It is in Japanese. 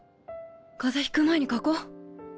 風邪ひく前に描こう。